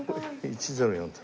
１０４０。